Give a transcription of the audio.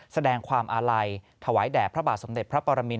แสดงความอาลัยถวายแด่พระบาทสมเด็จพระปรมิน